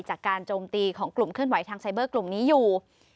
โจมตีของกลุ่มเคลื่อนไหวทางไซเบอร์กลุ่มนี้อยู่